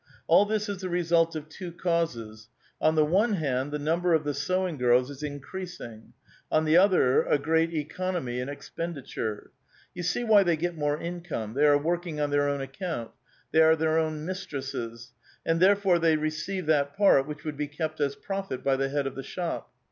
All this is the result of two causes. On the one hand, the number of the sewing girls is increas ing ; on the other, a great economy in expenditure. You see why they get more incfome ; they are working on their own account ; they are their own mistresses ; and there fore they receive that part which would be kept as profit by the head of the shop.